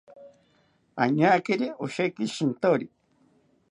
Añakiri oshekini shintori